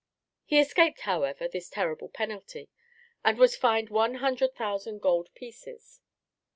He escaped, however, this terrible penalty, and was fined one hundred thousand gold pieces.